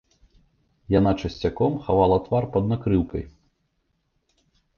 Яна часцяком хавала твар пад накрыўкай.